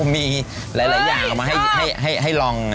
มีหลายอย่างเอามาให้ลอง